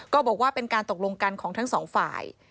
ก็บอกว่าเป็นการตกลงกันของทั้งสองฝ่าย